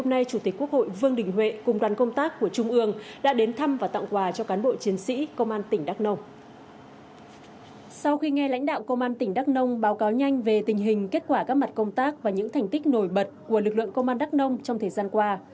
sau khi nghe lãnh đạo công an tỉnh đắk nông báo cáo nhanh về tình hình kết quả các mặt công tác và những thành tích nổi bật của lực lượng công an đắk nông trong thời gian qua